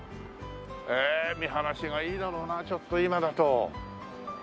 へえ見晴らしがいいだろうなちょっと今だと。